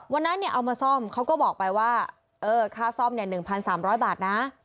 วันนั้นเนี่ยเอามาซ่อมเขาก็บอกไปว่าเออค่าซ่อม๑๓๐๐บาทนะ